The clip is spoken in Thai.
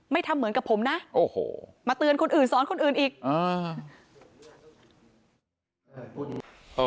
ทำเหมือนกับผมนะโอ้โหมาเตือนคนอื่นสอนคนอื่นอีกอ่า